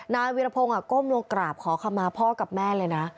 นายวิรพงศ์ก้มลงกราบขอขมาพ่อกับแม่เลยนะ